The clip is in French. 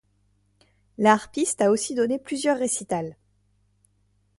La harpiste a aussi donné plusieurs récitals.